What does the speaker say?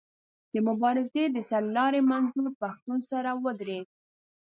د مبارزې د سر لاري منظور پښتون سره ودرېد.